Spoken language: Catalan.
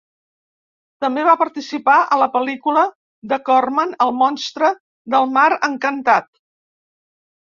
També va participar a la pel·lícula de Corman "El monstre del mar encantat".